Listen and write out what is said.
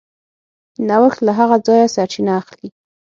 نوښت له هغه ځایه سرچینه اخلي.